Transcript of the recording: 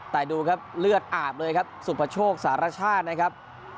แต่ดูครับเลือดอาบเลยครับสุภโชคสารชาตินะครับ